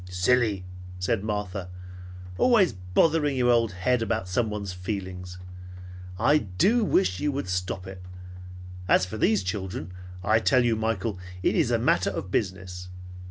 "Silly," said Martha. "Always bothering your old head about someone's feelings! I do wish you would stop it! As for these children, I tell you, Michael, it is a matter of business.